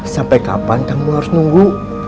sampai kapan kamu harus nunggu